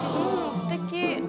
すてき。